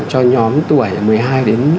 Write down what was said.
cho nhóm tuổi một mươi hai đến một mươi bảy